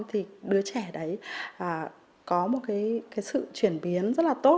thì đứa trẻ đấy có một cái sự chuyển biến rất là tốt